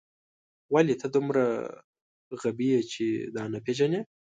ولې ته دومره غبي یې چې دا نه پېژنې